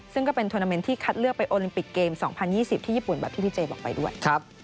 ซึ่งก็เป็นทวนาเมนต์ที่คัดเลือกไปโอลิมปิกเกม๒๐๒๐ที่ญี่ปุ่นแบบที่พี่เจบอกไปด้วย